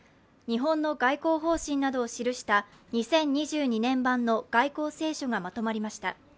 日本の外交方針などを記した２０２２年版の外交青書がまとまりました。